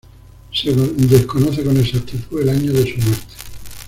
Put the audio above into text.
Se desconoce con exactitud el año de su muerte.